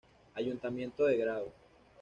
Ayuntamiento de Grado